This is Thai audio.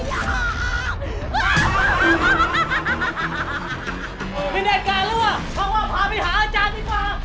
ไม่ได้การหรือว่าพาไปหาอาจารย์ดีกว่า